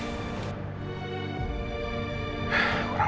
lu apa sih menurut lo